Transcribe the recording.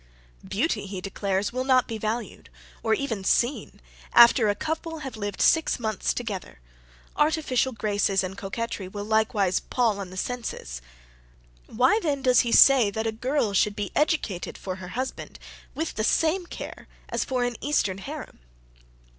Beauty he declares will not be valued, or even seen, after a couple have lived six months together; artificial graces and coquetry will likewise pall on the senses: why then does he say, that a girl should be educated for her husband with the same care as for an eastern haram?